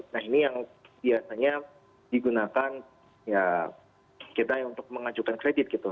nah ini yang biasanya digunakan ya kita untuk mengajukan kredit gitu